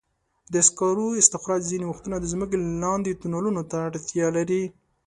د سکرو استخراج ځینې وختونه د ځمکې لاندې تونلونو ته اړتیا لري.